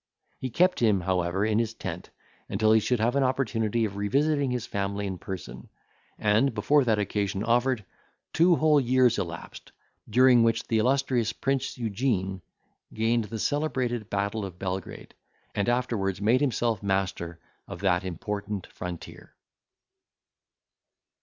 He kept him, however, in his tent, until he should have an opportunity of revisiting his family in person; and, before that occasion offered, two whole years elapsed, during which the illustrious Prince Eugene gained the celebrated battle of Belgrade, and afterwards made himself master of that important frontier.